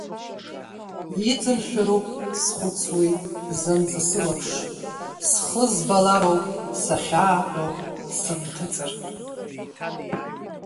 Иҵымшәароуп, схәыцуеит, бзанҵы сылаԥш, схы збалароуп сахьаатәо, сынҭыҵыр…